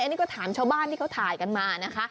อันนี้ก็ถามชาวบ้านที่เขาถ่ายกันมานะคะ